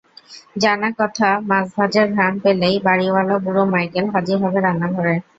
জানা কথা মাছ ভাজার ঘ্রাণ পেলেই বাড়িওয়ালা বুড়ো মাইকেল হাজির হবে রান্নাঘরে।